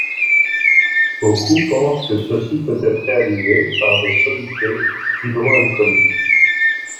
Beaucoup pensent que ceci peut être réalisé par des solutés hydroalcooliques.